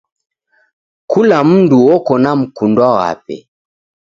Kula mndu oko na mkundwa wape.